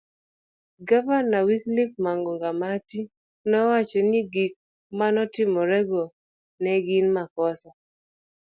Gavana Wycliffe wangamati nowacho ni gik manotimrego ne gin makosa